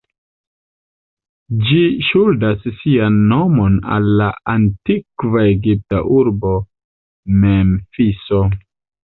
Ĝi ŝuldas sian nomon al la antikva egipta urbo Memfiso.